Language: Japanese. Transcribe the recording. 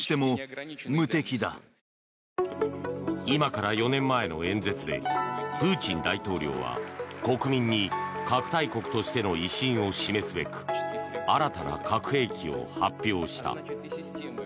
今から４年前の演説でプーチン大統領は国民に核大国としての威信を示すべく新たな核兵器を発表した。